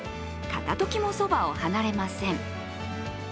片ときもそばを離れません。